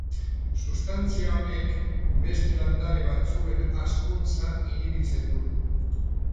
Sustantzia honek beste landare batzuen hazkuntza inhibitzen du.